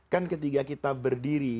kan ketika kita berdiri